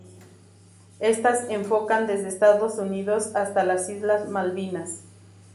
Estas enfocan desde Estados Unidos hasta las Islas Malvinas.